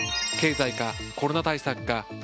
経済か、コロナ対策か。